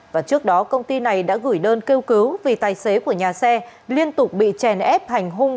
và trước đó công ty này đã gửi đơn kêu cứu vì tài xế của nhà xe liên tục bị chèn ép hành hung